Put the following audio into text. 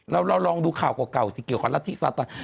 แล้วเราลองดูข่าวเก่าสิเกี่ยวกับราชิกซาตาล